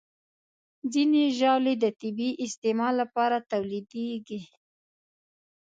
ځینې ژاولې د طبي استعمال لپاره تولیدېږي.